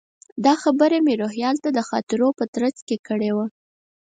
دا خبره مې روهیال ته د خاطرو په ترڅ کې کړې وه.